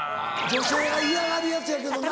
女性が嫌がるやつやけどな。